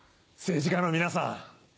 政治家の皆さん